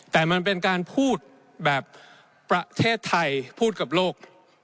แต่มันเป็นการพูดแบบประเทศไทยพูดกับโลก